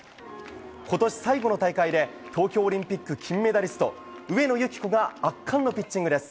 今年最後の大会で東京オリンピック金メダリスト上野由岐子が圧巻のピッチングです。